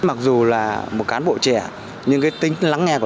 mặc dù là một cán bộ trẻ nhưng cái tính lắng nghe của đảng ủy